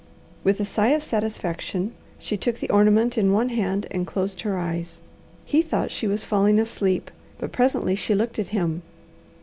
With a sigh of satisfaction she took the ornament in one hand and closed her eyes. He thought she was falling asleep, but presently she looked at him.